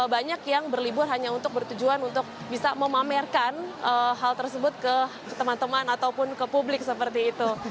banyak yang berlibur hanya untuk bertujuan untuk bisa memamerkan hal tersebut ke teman teman ataupun ke publik seperti itu